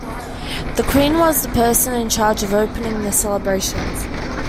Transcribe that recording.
The queen was the person in charge of opening the celebrations.